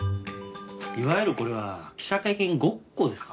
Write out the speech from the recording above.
いわゆるこれは記者会見ごっこですか？